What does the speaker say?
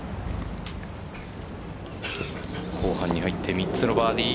後半に入って３つのバーディー。